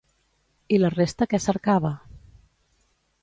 I la resta què cercava?